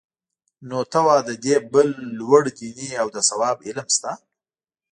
نو ته وا له دې بل لوړ دیني او د ثواب علم شته؟